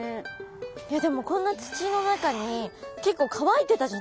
いやでもこんな土の中に結構乾いてたじゃないですか。